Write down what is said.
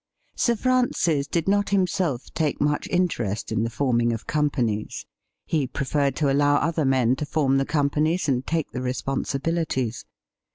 Sir Francis did' not himself take much interest in the forming of companies. He preferred to allow other men to form the companies and take the responsibilities.